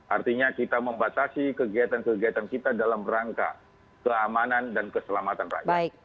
artinya kita membatasi kegiatan kegiatan kita dalam rangka keamanan dan keselamatan rakyat